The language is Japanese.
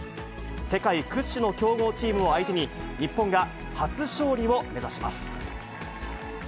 世界屈指の強豪チームを相手に、日本が初勝利を目指します。